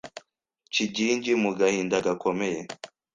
Kigingi mu gahinda gakomeye